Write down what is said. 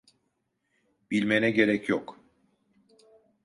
Bilmene gerek yok.